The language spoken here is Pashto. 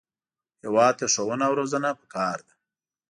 هېواد ته ښوونه او روزنه پکار ده